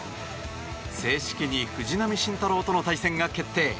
正式に藤浪晋太郎との対戦が決定。